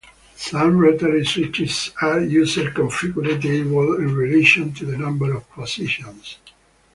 Some rotary switches are user configurable in relation to the number of positions.